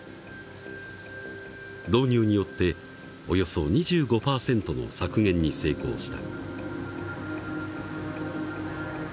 導入によっておよそ２５％の削減に成功した。